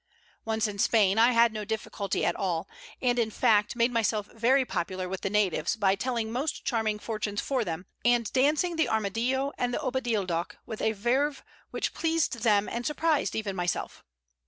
Once in Spain I had no difficulty at all, and in fact made myself very popular with the natives by telling most charming fortunes for them, and dancing the armadillo and opadildock with a verve which pleased them and surprised even myself.